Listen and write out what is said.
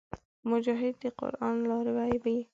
مجاهد د قران لاروي وي.